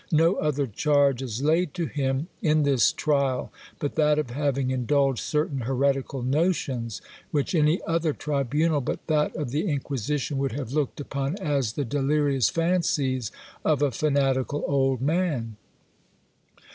No other charge is laid to him in this trial but that of having indulged certain heretical notions, which any other tribunal but that of the Inquisition would have looked upon as the delirious fancies of a fanatical old man.